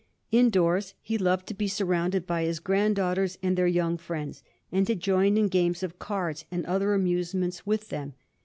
Indoors he loved to be surrounded by his granddaughters and their young friends, and to join in games of cards and other amusements with them.